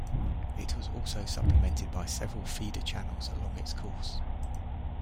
It was also supplemented by several feeder channels along its course.